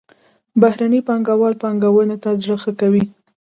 بهرني پانګوال پانګونې ته زړه ښه کوي.